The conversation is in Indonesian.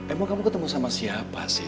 emang kamu ketemu sama siapa sih